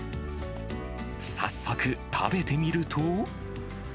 早速食べてみると。